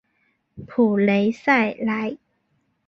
普雷赛莱。